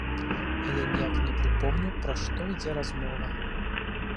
А я ніяк не прыпомню, пра што ідзе размова.